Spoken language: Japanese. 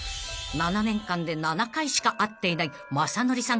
［７年間で７回しか会っていない雅紀さん